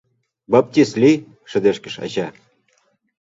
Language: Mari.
— Баптист лий! — шыдешкыш ача.